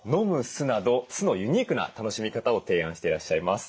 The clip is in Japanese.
酢など酢のユニークな楽しみ方を提案していらっしゃいます。